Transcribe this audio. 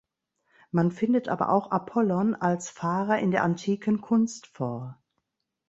Man findet aber auch Apollon als Fahrer in der antiken Kunst vor.